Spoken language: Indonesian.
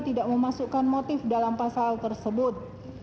tidak memasukkan motif dalam pasal tersebut